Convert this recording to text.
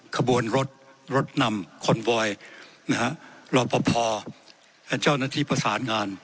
ขบวนรถรถนำคอนโบยรอบพอพอร์เจ้าหน้าที่ประสานงาน